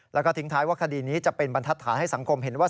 แล้วก็ทิ้งท้ายว่าคดีนี้จะเป็นบรรทัดฐานให้สังคมเห็นว่า